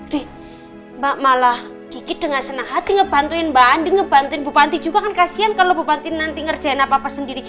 rik mbak malah kiki dengan senang hati ngebantuin mbak adin ngebantuin bu panti juga kan kasihan kalo bu panti nanti ngerjain apa apa sendiri